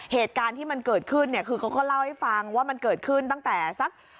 เหตุการณ์ที่มันเกิดขึ้นเนี่ยคือเขาก็เล่าให้ฟังว่ามันเกิดขึ้นตั้งแต่สัก